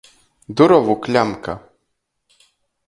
Durovu kļamka.